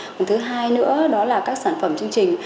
còn thứ hai nữa đó là các sản phẩm chương trình